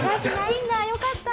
よかった！